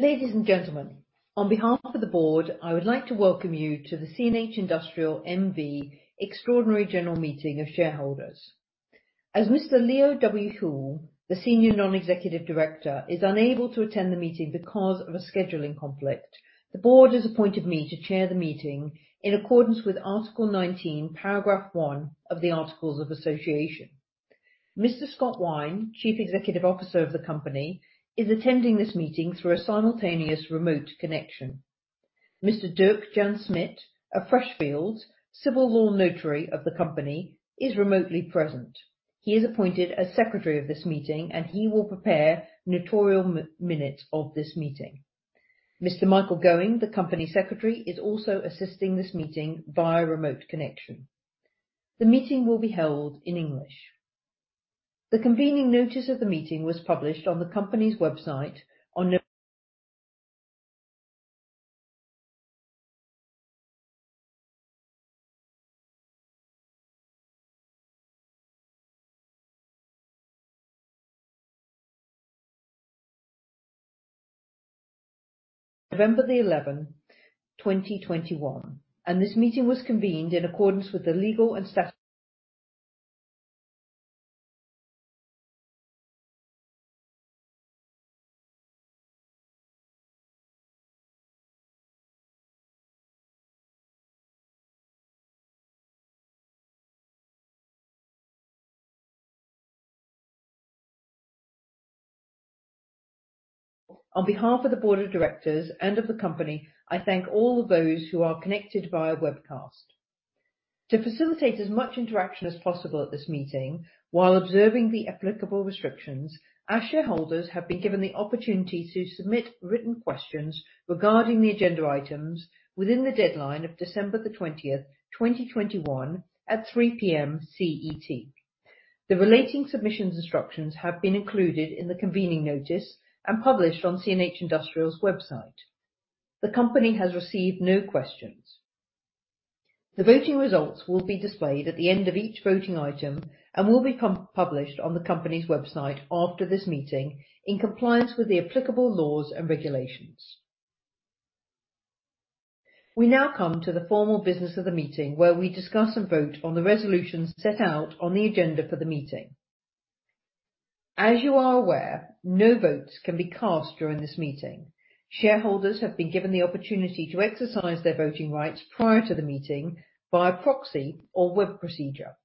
Ladies and gentlemen, on behalf of the board, I would like to welcome you to the CNH Industrial N.V. Extraordinary General Meeting of Shareholders. As Mr. Léo W. Houle, the Senior Non-Executive Director, is unable to attend the meeting because of a scheduling conflict, the board has appointed me to chair the meeting in accordance with Article 19, Paragraph one of the Articles of Association. Mr. Scott Wine, Chief Executive Officer of the company, is attending this meeting through a simultaneous remote connection. Mr. Dirk-Jan Smit of Freshfields, Civil Law Notary of the company, is remotely present. He is appointed as secretary of this meeting, and he will prepare notarial minutes of this meeting. Mr. Michael Going, the Company Secretary, is also assisting this meeting via remote connection. The meeting will be held in English. The convening notice of the meeting was published on the company's website on November 11, 2021, and this meeting was convened in accordance with the legal. On behalf of the board of directors and of the company, I thank all of those who are connected via webcast. To facilitate as much interaction as possible at this meeting while observing the applicable restrictions, our shareholders have been given the opportunity to submit written questions regarding the agenda items within the deadline of December 20th, 2021, at 3:00 P.M. CET. The related submission instructions have been included in the convening notice and published on CNH Industrial's website. The company has received no questions. The voting results will be displayed at the end of each voting item and will become published on the company's website after this meeting in compliance with the applicable laws and regulations. We now come to the formal business of the meeting, where we discuss and vote on the resolutions set out on the agenda for the meeting. As you are aware, no votes can be cast during this meeting. Shareholders have been given the opportunity to exercise their voting rights prior to the meeting by proxy or web procedure.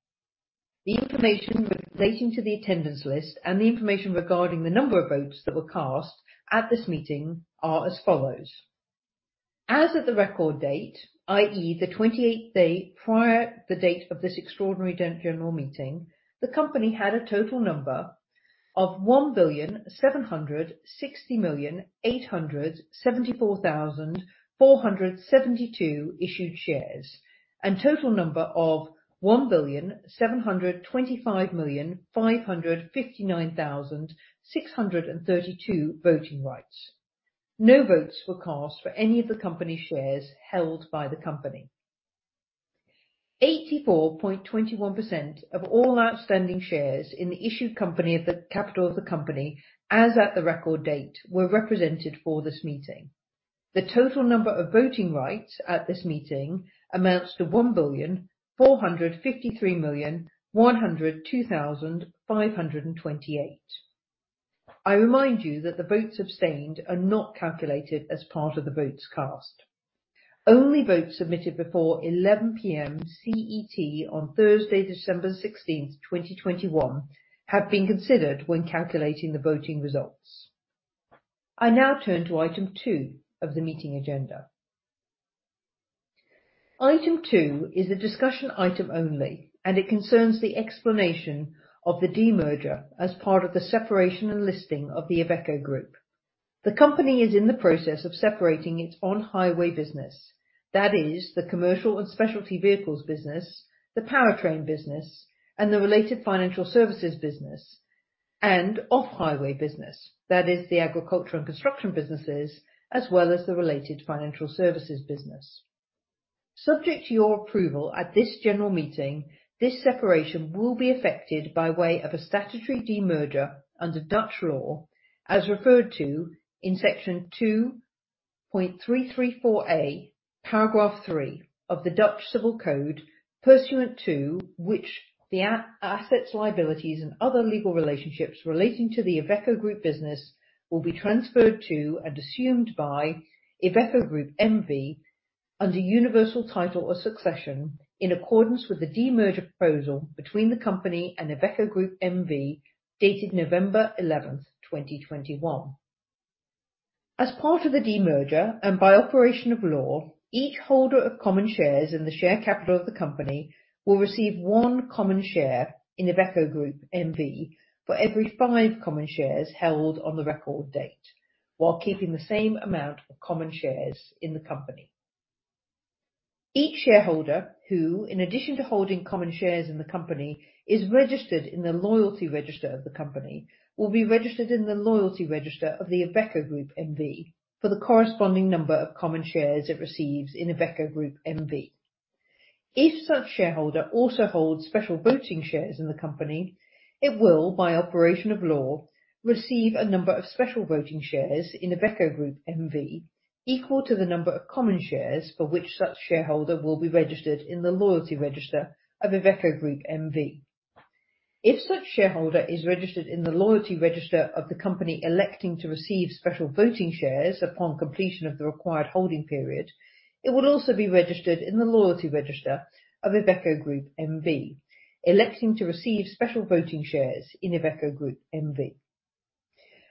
The information relating to the attendance list and the information regarding the number of votes that were cast at this meeting are as follows. As of the record date, i.e., the 28th day prior to the date of this extraordinary general meeting, the company had a total number of 1,760,874,472 issued shares, and total number of 1,725,559,632 voting rights. No votes were cast for any of the company shares held by the company. 84.21% of all outstanding shares in the issued company of the capital of the company as at the record date were represented for this meeting. The total number of voting rights at this meeting amounts to 1,453,102,528. I remind you that the votes abstained are not calculated as part of the votes cast. Only votes submitted before 11:00 P.M. CET on Thursday, December 16th, 2021, have been considered when calculating the voting results. I now turn to Item 2 of the meeting agenda. Item 2 is a discussion item only, and it concerns the explanation of the demerger as part of the separation and listing of the Iveco Group. The company is in the process of separating its on-highway business, that is the commercial and specialty vehicles business, the powertrain business, and the related financial services business and off-highway business, that is the agriculture and construction businesses, as well as the related financial services business. Subject to your approval at this general meeting, this separation will be effected by way of a statutory demerger under Dutch law as referred to in Section 2:334a, Paragraph three of the Dutch Civil Code, pursuant to which the assets, liabilities, and other legal relationships relating to the Iveco Group business will be transferred to and assumed by Iveco Group N.V. under universal title or succession in accordance with the demerger proposal between the company and Iveco Group N.V., dated November 11, 2021. As part of the demerger and by operation of law, each holder of common shares in the share capital of the company will receive one common share in Iveco Group N.V. for every five common shares held on the record date while keeping the same amount of common shares in the company. Each shareholder who, in addition to holding common shares in the company, is registered in the loyalty register of the company, will be registered in the loyalty register of the Iveco Group N.V. for the corresponding number of common shares it receives in Iveco Group N.V. If such shareholder also holds special voting shares in the company, it will, by operation of law, receive a number of special voting shares in Iveco Group N.V. equal to the number of common shares for which such shareholder will be registered in the loyalty register of Iveco Group N.V. If such shareholder is registered in the loyalty register of the company electing to receive special voting shares upon completion of the required holding period, it would also be registered in the loyalty register of Iveco Group N.V., electing to receive special voting shares in Iveco Group N.V.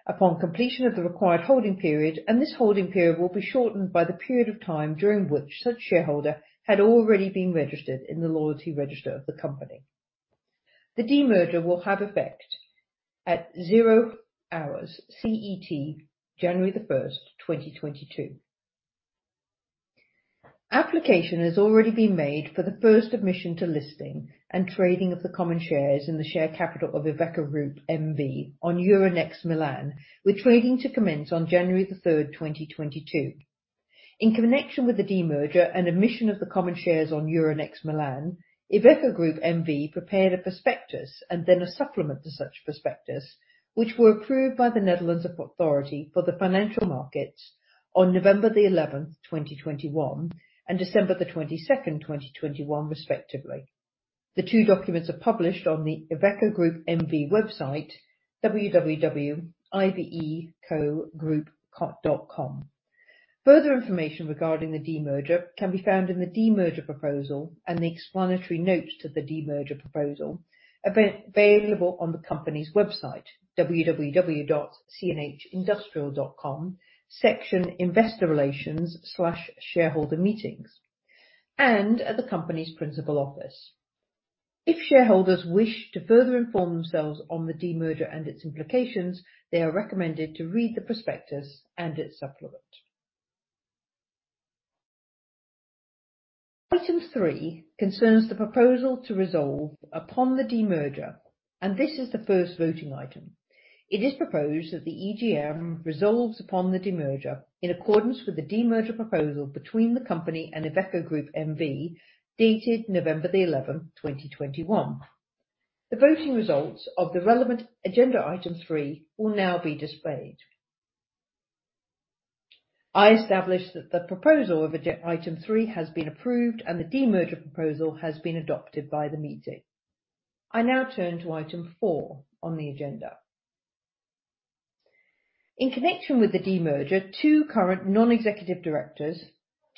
upon completion of the required holding period, and this holding period will be shortened by the period of time during which such shareholder had already been registered in the loyalty register of the company. The demerger will have effect at 00:00 CET January 1st, 2022. Application has already been made for the first admission to listing and trading of the common shares in the share capital of Iveco Group N.V. on Euronext Milan, with trading to commence on January 3rd, 2022. In connection with the demerger and admission of the common shares on Euronext Milan, Iveco Group N.V. prepared a prospectus and then a supplement to such prospectus, which were approved by the Netherlands Authority for the Financial Markets on November 11th, 2021, and December 22nd, 2021, respectively. The two documents are published on the Iveco Group N.V. website, www.ivecogroup.com. Further information regarding the demerger can be found in the demerger proposal and the explanatory notes to the demerger proposal available on the company's website, www.cnhindustrial.com, section Investor Relations/Shareholder Meetings, and at the company's principal office. If shareholders wish to further inform themselves on the demerger and its implications, they are recommended to read the prospectus and its supplement. Item 3 concerns the proposal to resolve upon the demerger, and this is the first voting item. It is proposed that the EGM resolves upon the demerger in accordance with the demerger proposal between the company and Iveco Group N.V., dated November 11th, 2021. The voting results of the relevant agenda Item 3 will now be displayed. I establish that the proposal of Item 3 has been approved and the demerger proposal has been adopted by the meeting. I now turn to Item 4 on the agenda. In connection with the demerger, two current non-executive directors,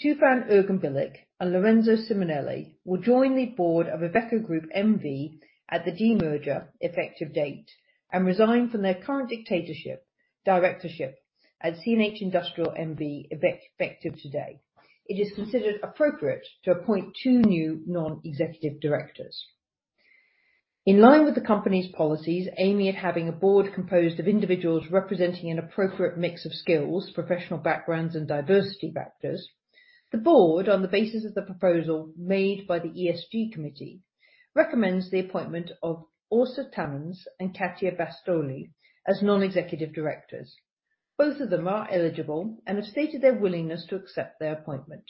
Tufan Erginbilgic and Lorenzo Simonelli, will join the board of Iveco Group N.V. at the demerger effective date and resign from their current directorship at CNH Industrial N.V., effective today. It is considered appropriate to appoint two new non-executive directors. In line with the company's policies aiming at having a board composed of individuals representing an appropriate mix of skills, professional backgrounds, and diversity factors, the board, on the basis of the proposal made by the ESG committee, recommends the appointment of Åsa Tamsons and Catia Bastioli as non-executive directors. Both of them are eligible and have stated their willingness to accept their appointment.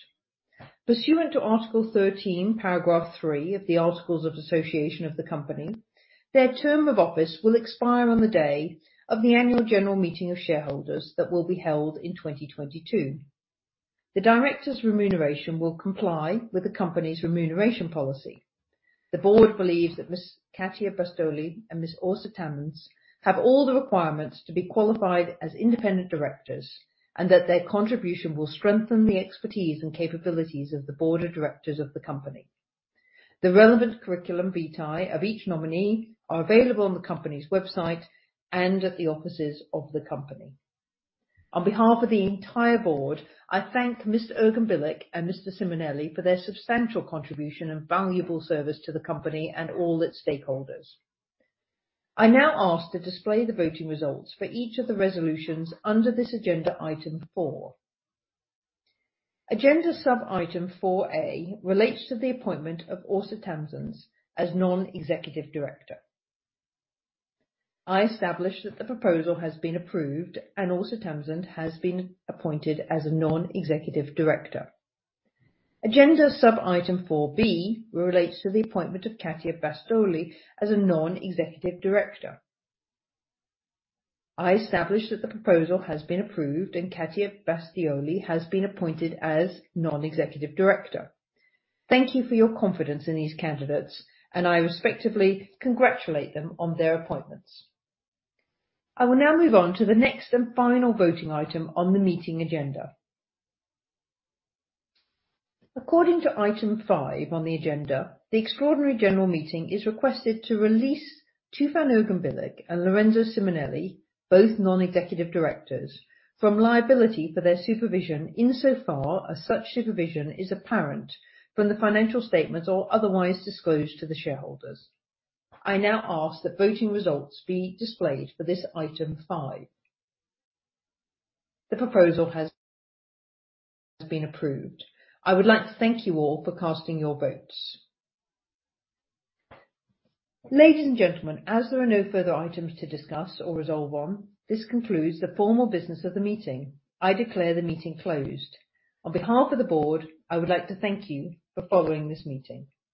Pursuant to Article 13, Paragraph three of the Articles of Association of the Company, their term of office will expire on the day of the annual general meeting of shareholders that will be held in 2022. The directors' remuneration will comply with the company's remuneration policy. The board believes that Ms. Catia Bastioli and Ms. Åsa Tamsons have all the requirements to be qualified as independent directors, and that their contribution will strengthen the expertise and capabilities of the board of directors of the company. The relevant curriculum vitae of each nominee are available on the company's website and at the offices of the company. On behalf of the entire board, I thank Mr. Erginbilgic and Mr. Simonelli for their substantial contribution and valuable service to the company and all its stakeholders. I now ask to display the voting results for each of the resolutions under this agenda Item 4. Agenda sub-Item 4a relates to the appointment of Åsa Tamsons as Non-Executive Director. I establish that the proposal has been approved and Åsa Tamsons has been appointed as a Non-Executive Director. Agenda sub-Item 4b relates to the appointment of Catia Bastioli as a Non-Executive Director. I establish that the proposal has been approved and Catia Bastioli has been appointed as Non-Executive Director. Thank you for your confidence in these candidates, and I respectfully congratulate them on their appointments. I will now move on to the next and final voting item on the meeting agenda. According to Item 5 on the agenda, the extraordinary general meeting is requested to release Tufan Erginbilgic and Lorenzo Simonelli, both Non-Executive Directors, from liability for their supervision insofar as such supervision is apparent from the financial statements or otherwise disclosed to the shareholders. I now ask that voting results be displayed for this Item 5. The proposal has been approved. I would like to thank you all for casting your votes. Ladies and gentlemen, as there are no further items to discuss or resolve on, this concludes the formal business of the meeting. I declare the meeting closed. On behalf of the board, I would like to thank you for following this meeting.